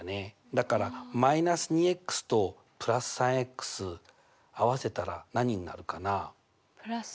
だから−２と＋３合わせたら何にな＋。